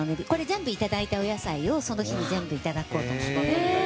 全部いただいたお野菜をその日に全部いただこうとして。